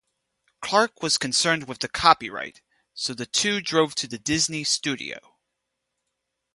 Clark was concerned with the copyright, so the two drove to the Disney studio.